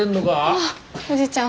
ああおじいちゃん